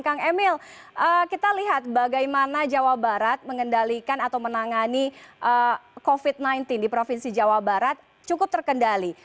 kang emil kita lihat bagaimana jawa barat mengendalikan atau menangani covid sembilan belas di provinsi jawa barat cukup terkendali